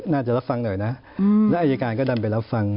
น่าจะรับฟังหน่อยนะแล้วอายการก็ดันไปรับฟัง